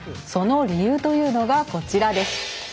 その理由というのが、こちらです。